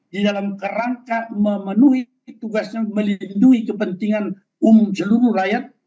di dalam kerangka memenuhi tugasnya melindungi kepentingan umum seluruh rakyat